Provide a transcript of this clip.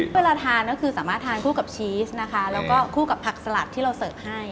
เวลาทานก็คือสามารถทานคู่กับชีสนะคะแล้วก็คู่กับผักสลัดที่เราเสิร์ฟให้